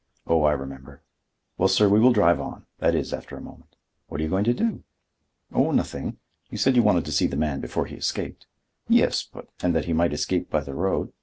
"Oh, I remember. Well, sir, we will drive on,—that is, after a moment." "What are you going to do?" "Oh, nothing. You said you wanted to see the man before he escaped." "Yes, but—" "And that he might escape by the road."